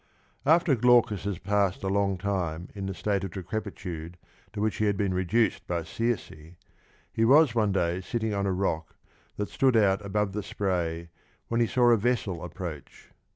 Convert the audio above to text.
After Glaucus had passed a long time in the state of decrepitude to which he had been reduced by Circe, he was one day sitting on a rock that stood out above the spray when he saw^ a vessel approach.